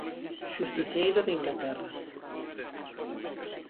Xusticeiro de Inglaterra.